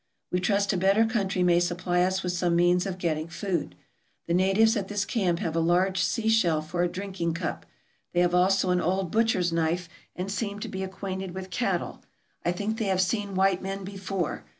We trust a better country may supply us with some means of getting food. The natives at this camp have a large sea shell for a drinking cup ; they have also an old butcher's knife, and seem to be acquainted with cattle. I think they have seen white men before.